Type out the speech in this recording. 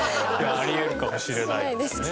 あり得るかもしれないですね。